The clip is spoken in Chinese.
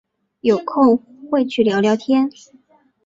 有空会去聊聊天